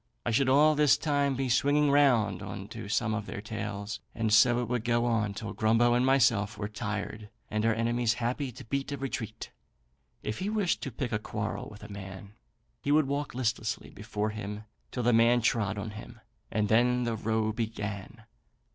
I should all this time be swinging round on to some of their tails, and so it would go on till Grumbo and myself were tired and our enemies happy to beat a retreat. If he wished to pick a quarrel with a man, he would walk listlessly before him till the man trod on him, and then the row began.